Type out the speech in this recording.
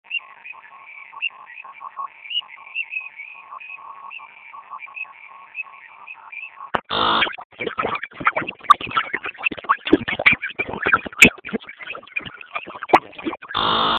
Ekonomikoki irabazi handiak sortzen ditu gurutzaontziak, baina baita kutsadura ere.